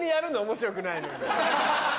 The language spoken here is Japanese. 面白くないのに。